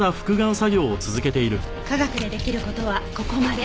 科学で出来る事はここまで。